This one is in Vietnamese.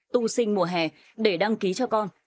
tu sinh mùa hè để đăng ký cho con